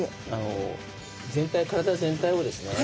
全体体全体をですね